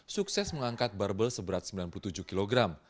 sukses mengangkat barbel seberat sembilan puluh tujuh kilogram